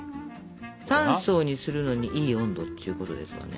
３層にするのにいい温度っちゅうことですわね。